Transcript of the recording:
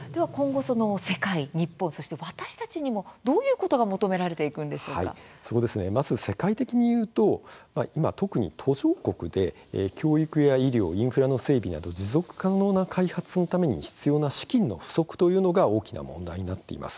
世界、日本、私たち今後どういうことが世界的に見ると特に途上国で教育や医療、インフラの整備など持続可能な開発のために資金の不足というのが大きな問題になっています。